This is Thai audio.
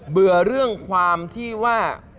เบื่อเรื่องความที่ว่า